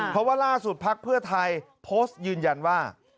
เพราะว่าล่าสุดภักดิ์เพื่อไทยโพสต์ยืนยันว่า